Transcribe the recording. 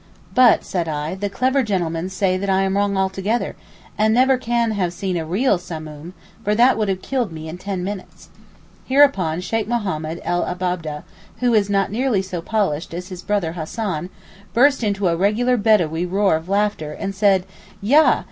'But,' said I, 'the clever gentlemen say that I am wrong altogether, and never can have seen a real Samoom, for that would have killed me in ten minutes.' Hereupon Sheykh Mohammed el Abab'deh, who is not nearly so polished as his brother Hassan, burst into a regular bedawee roar of laughter, and said, 'Yah!